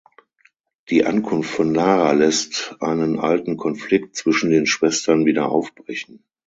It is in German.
Die Ankunft von Lara lässt einen alten Konflikt zwischen den Schwestern wieder aufbrechen.